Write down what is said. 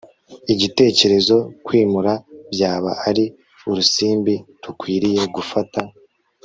Igitekerezo Kwimura byaba ari urusimbi rukwiriye gufata